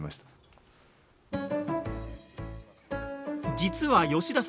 実は吉田さん